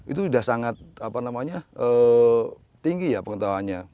itu sudah sangat tinggi ya pengetahuannya